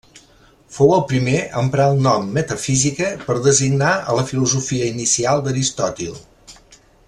Fou el primer a emprar el nom metafísica per designar a la filosofia inicial d'Aristòtil.